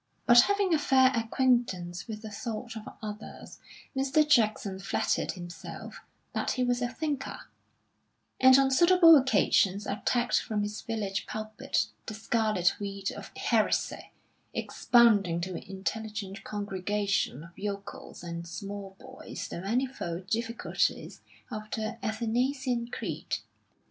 But having a fair acquaintance with the thought of others, Mr. Jackson flattered himself that he was a thinker; and on suitable occasions attacked from his village pulpit the scarlet weed of heresy, expounding to an intelligent congregation of yokels and small boys the manifold difficulties of the Athanasian Creed.